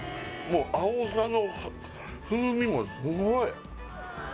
もうあおさの風味もすごい